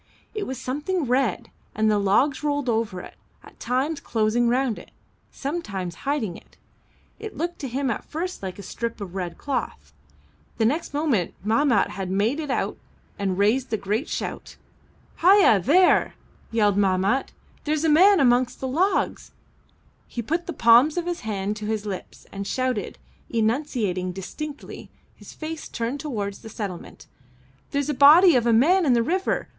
It was something red, and the logs rolled over it, at times closing round it, sometimes hiding it. It looked to him at first like a strip of red cloth. The next moment Mahmat had made it out and raised a great shout. "Ah ya! There!" yelled Mahmat. "There's a man amongst the logs." He put the palms of his hand to his lips and shouted, enunciating distinctly, his face turned towards the settlement: "There's a body of a man in the river!